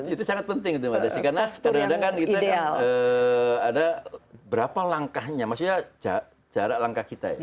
itu sangat penting itu mbak desi karena kadang kadang kan kita kan ada berapa langkahnya maksudnya jarak langkah kita ya